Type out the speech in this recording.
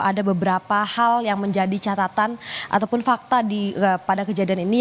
ada beberapa hal yang menjadi catatan ataupun fakta pada kejadian ini